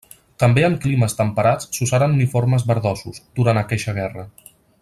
També en climes temperats s'usaren uniformes verdosos, durant aqueixa guerra.